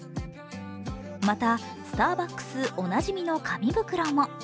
また、スターバックスおなじみの紙袋も。